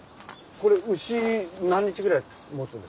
これ牛何日ぐらいもつんですか？